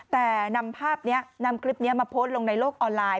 แต่นำภาพนี้นำคลิปนี้มาโพสต์ลงในโลกออนไลน์